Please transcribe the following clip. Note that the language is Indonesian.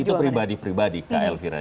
itu pribadi pribadi kak elvira